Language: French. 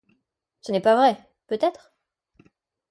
Ce n'est pas vrai, peut-être ?